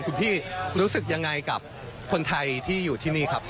คุณพี่รู้สึกยังไงกับคนไทยที่อยู่ที่นี่ครับ